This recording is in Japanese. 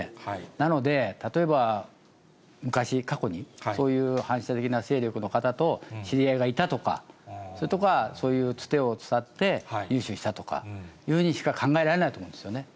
なので、例えば昔、過去に、そういう反社的な勢力の方と知り合いがいたとか、そういうつてを使って、入手したとかというふうにしか考えられないと思うんですよね。